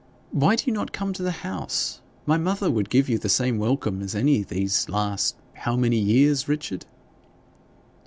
Why do you not come to the house? My mother would give you the same welcome as any time these last how many years, Richard?'